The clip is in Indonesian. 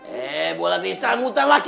hei bola bisa muterlah kau